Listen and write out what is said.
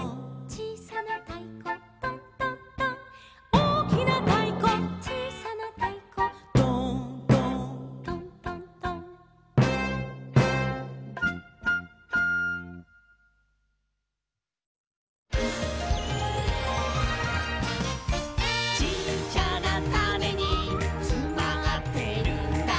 「おおきなたいこちいさなたいこ」「ドーンドーントントントン」「ちっちゃなタネにつまってるんだ」